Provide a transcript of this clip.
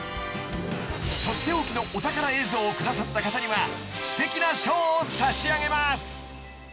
［取って置きのお宝映像を下さった方にはすてきな賞を差し上げます］